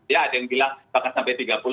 ya ada yang bilang bahkan sampai tiga puluh